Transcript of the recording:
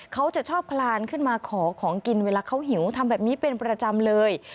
เขาจะชอบคลานขึ้นมาขอของกินเวลาเขาหิวทำแบบนี้เป็นประจำเลย